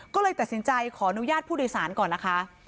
ก็เลยตัดสินใจขออนุญาตผู้โดยสารก่อนนะคะ